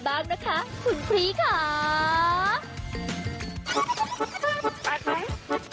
โปรดติดตามตอนต่อไป